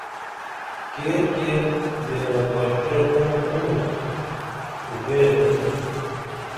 کیر کیر بیرہ گاݜٹیہ ڇنگ پرینُم خو بیرہ نی تُھم